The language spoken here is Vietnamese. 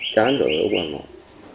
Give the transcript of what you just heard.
chán rồi ở ngoài